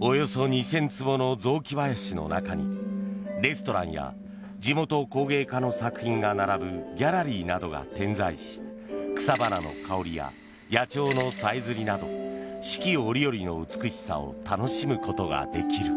およそ２０００坪の雑木林の中にレストランや地元工芸家の作品が並ぶギャラリーなどが点在し草花の香りや野鳥のさえずりなど四季折々の美しさを楽しむことができる。